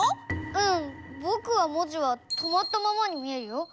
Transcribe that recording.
うん！ぼくは文字はとまったままに見えるよ。